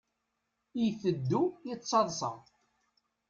Iteddu yettaḍsa.